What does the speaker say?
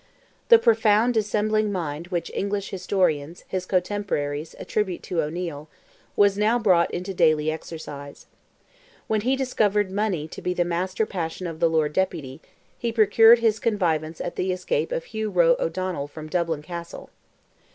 The "profound dissembling mind" which English historians, his cotemporaries, attribute to O'Neil, was now brought into daily exercise. When he discovered money to be the master passion of the Lord Deputy, he procured his connivance at the escape of Hugh Roe O'Donnell from Dublin Castle.